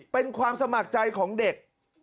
เป็นความสมัครใจของเด็ก